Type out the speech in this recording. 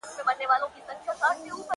پرون یې بیا له هغه ښاره جنازې وایستې٫